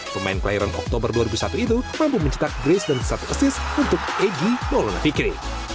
pemain kelahiran oktober dua ribu satu itu mampu mencetak grace dan satu asis untuk egy maulana fikri